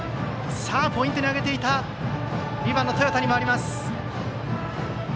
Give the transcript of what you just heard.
ポイントに挙げていた２番の豊田に回ります。